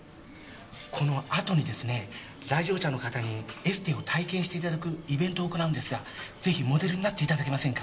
この後にですね来場者の方にエステを体験していただくイベントを行うんですがぜひモデルになっていただけませんか？